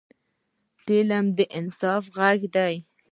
فلم د انصاف غږ دی